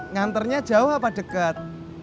nganternya jauh apa deket